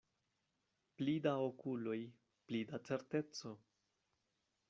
Pli da okuloj, pli da certeco.